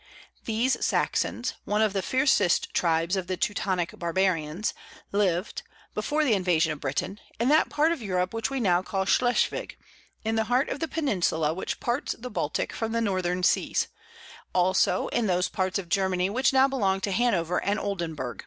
These Saxons one of the fiercest tribes of the Teutonic barbarians; lived, before the invasion of Britain, in that part of Europe which we now call Schleswig, in the heart of the peninsula which parts the Baltic from the northern seas; also in those parts of Germany which now belong to Hanover and Oldenburg.